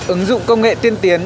ứng dụng công nghệ tiên tiến